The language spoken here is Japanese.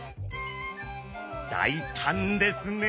大胆ですね。